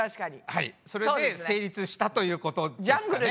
はいそれで成立したということですかね。